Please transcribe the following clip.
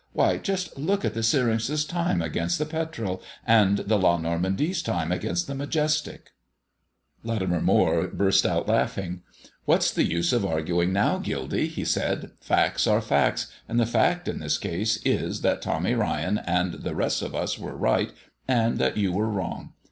Why, just look at the Syrinx's time against the Petrel, and the La Normandie's time against the Majestic." Latimer Moire burst out laughing. "What's the use of arguing now, Gildy?" he said. "Facts are facts, and the fact in this case is that Tommy Ryan and the rest of us were right and that you were wrong.